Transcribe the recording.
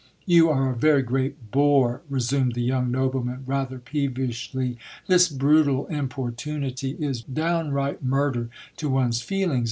"You are a very great bore, resumed the young nobleman rather peevishly,"this brutal importunity is downright murder to one's feelings.